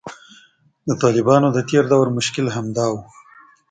د طالبانو د تیر دور مشکل همدا و